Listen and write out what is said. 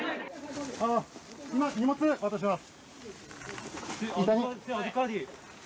荷物、渡します。